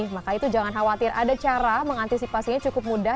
maka itu jangan khawatir ada cara mengantisipasinya cukup mudah